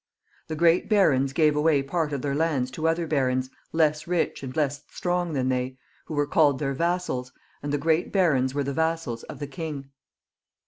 The great barons gave away part of their lands to other barons, less rich and less strong than they, who were called their vassals, and the great barons were the vassals of the king.